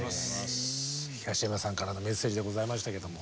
東山さんからのメッセージでございましたけども。